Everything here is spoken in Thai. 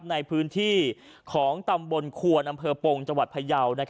ในพื้นที่ของตำบลควนอปงก์จพยาว